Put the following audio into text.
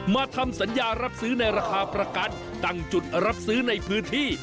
มาทำสัญญารับซื้อในราคาประกันตั้งจุดรับซื้อในพื้นที่